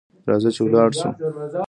راځه چي ولاړ سو .